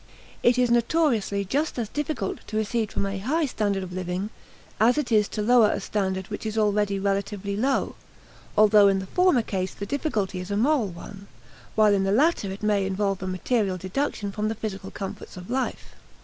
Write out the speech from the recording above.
It is notoriously just as difficult to recede from a "high" standard of living as it is to lower a standard which is already relatively low; although in the former case the difficulty is a moral one, while in the latter it may involve a material deduction from the physical comforts of life.